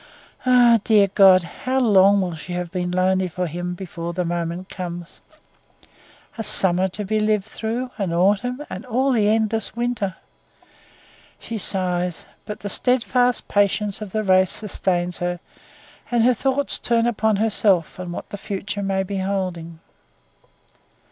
Ah! dear God! how long will she have been lonely for him before that moment comes! A summer to be lived through, an autumn, and all the endless winter! She sighs, but the steadfast patience of the race sustains her, and her thoughts turn upon herself and what the future may be holding.